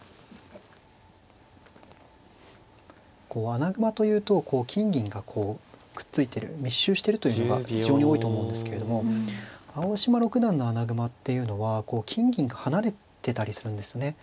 穴熊というと金銀がこうくっついてる密集してるというのが非常に多いと思うんですけれども青嶋六段の穴熊っていうのは金銀が離れてたりするんですね。